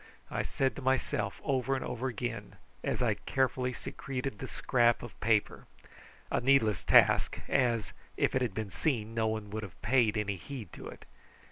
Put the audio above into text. I said to myself over and over again, as I carefully secreted the scrap of paper a needless task, as, if it had been seen, no one would have paid any heed to it.